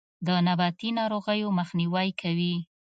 د نباتي ناروغیو مخنیوی کوي.